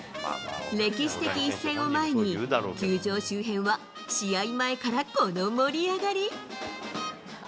歴史的一戦を前に、球場周辺は試合前からこの盛り上がり。